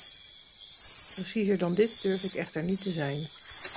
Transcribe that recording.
Preciezer dan dit durf ik echter niet te zijn.